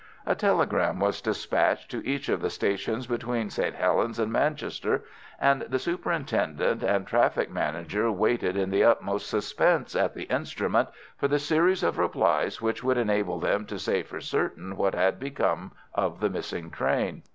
A telegram was dispatched to each of the stations between St. Helens and Manchester, and the superintendent and traffic manager waited in the utmost suspense at the instrument for the series of replies which would enable them to say for certain what had become of the missing train.